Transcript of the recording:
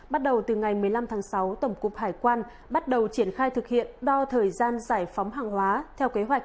bắt đầu từ ngày một mươi năm tháng sáu tổng cục hải quan bắt đầu triển khai thực hiện đo thời gian giải phóng hàng hóa theo kế hoạch